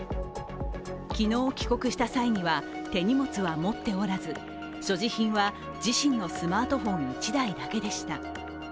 昨日、帰国した際には手荷物は持っておらず所持品は自身のスマートフォン１台だけでした。